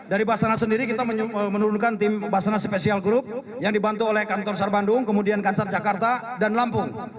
dari basanas sendiri kita menurunkan tim basanas special group yang dibantu oleh kantor sarbandung kemudian kansar jakarta dan lampung